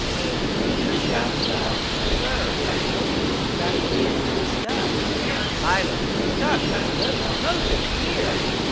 And he shall suck Sir, Moses got a pin and stuck Silence, stop Caleb Moses! here!